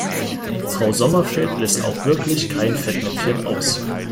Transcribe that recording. Frau Sommerfeld lässt auch wirklich kein Fettnäpfchen aus.